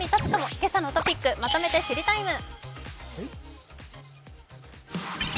「けさのトピックまとめて知りＴＩＭＥ，」。